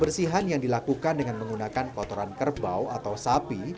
bersihan yang dilakukan dengan menggunakan kotoran kerbau atau sapi